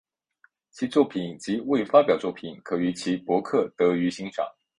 其作品及未发表作品可于其博客得于欣赏。